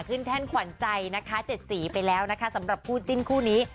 แท่นขวัญใจนะคะ๗สีไปแล้วนะคะสำหรับคู่จิ้นคู่นี้